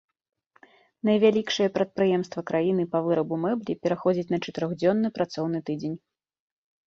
Найвялікшае прадпрыемства краіны па вырабу мэблі пераходзіць на чатырохдзённы працоўны тыдзень.